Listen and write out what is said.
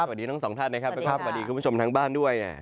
สวัสดีน้องสองท่านนะครับสวัสดีคุณผู้ชมทั้งบ้านด้วย